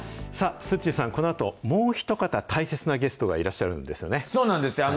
すっちーさん、このあと、もうひと方、大切なゲストがいらっそうなんです。